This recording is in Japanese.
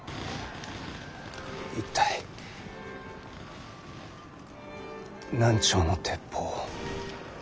一体何丁の鉄砲を。